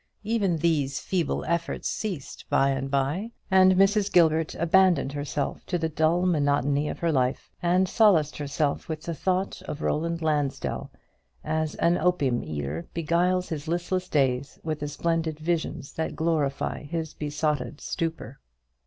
even these feeble efforts ceased by and by, and Mrs. Gilbert abandoned herself to the dull monotony of her life, and solaced herself with the thought of Roland Lansdell as an opium eater beguiles his listless days with the splendid visions that glorify his besotted stupor.